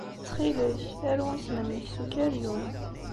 Ttxil-k, aru isem-nnek s ukeryun.